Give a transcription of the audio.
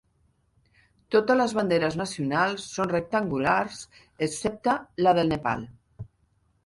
Totes les banderes nacionals són rectangulars, excepte la del Nepal.